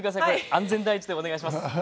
安全第一でお願いします。